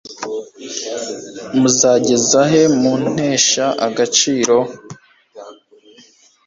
muzageza he muntesha agaciro